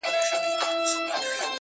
سيدې يې نورو دې څيښلي او اوبه پاتې دي.